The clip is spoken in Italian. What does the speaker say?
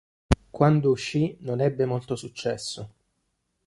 Quando uscì, non ebbe molto successo.